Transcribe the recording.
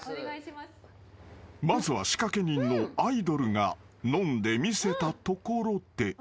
［まずは仕掛け人のアイドルが飲んでみせたところで］